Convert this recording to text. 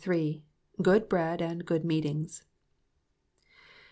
GOOD BREAD AND GOOD MEETINGS.